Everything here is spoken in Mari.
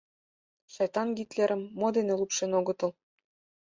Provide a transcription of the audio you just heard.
Шайтан-Гитлерым мо дене лупшен огытыл!